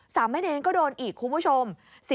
สามเมอร์เนยนก็โดนอีกคุณผู้ชม